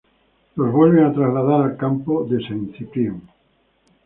Los vuelven a trasladar al campo de Saint Cyprien.